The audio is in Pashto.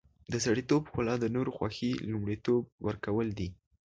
د سړیتوب ښکلا د نورو خوښي لومړیتوب ورکول دي.